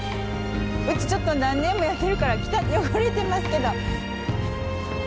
うちちょっと何年もやってるから汚れてますけど。